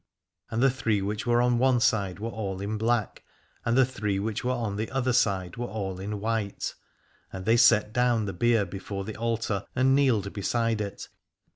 And the three which were on one side were all in black, and the three which were on the other side were all in white : and they set down the bier before the altar and kneeled beside it.